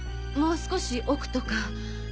もう少し奥とか。